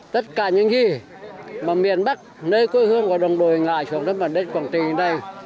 tất cả những gì mà miền bắc nơi quê hương của đồng đội ngại xuống đất quảng trị này